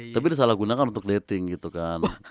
tapi disalahgunakan untuk dating gitu kan